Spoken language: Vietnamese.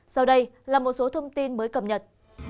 sau đây là một số thông tin mới cập nhật